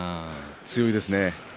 強いですね。